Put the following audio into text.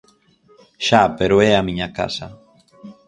Xa pero é a miña casa.